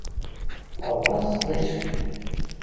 А ў вас знайшлі.